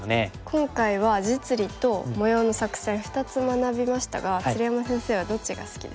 今回は実利と模様の作戦２つ学びましたが鶴山先生はどっちが好きですか？